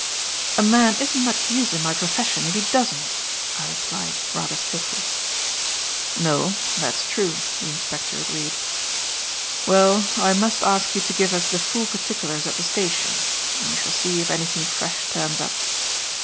"A man isn't much use in my profession if he doesn't," I replied, rather stiffly. "No, that's true," the inspector agreed. "Well, I must ask you to give us the full particulars at the station, and we shall see if anything fresh turns up.